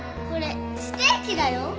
これステーキだよ！